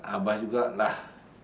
abah juga lah